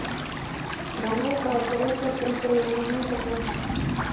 mamayqa operasqa sonqo yanamanta kan